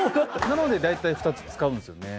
なので大体２つ使うんですよね。